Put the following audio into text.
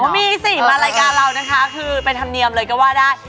มีสิมารายการเรานะคะคือเป็นธรรมเนียมเลยก็ว่าได้